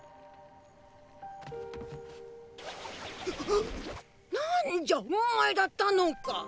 ほッ⁉なんじゃお前だったのか！